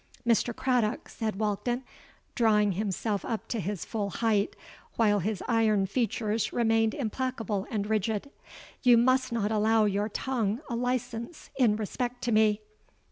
'—'Mr. Craddock,' said Walkden, drawing himself up to his full height, while his iron features remained implacable and rigid, 'you must not allow your tongue a license in respect to me.